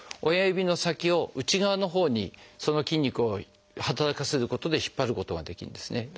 親指の先を内側のほうにその筋肉を働かせることで引っ張ることができるんですね。